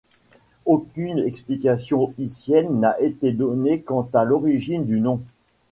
Aucune explication officielle n'a été donnée quant à l'origine du nom.